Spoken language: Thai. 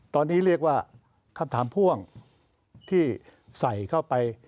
ตอนนี้เรียกว่าคำถามพ่วงที่ใส่เข้าไป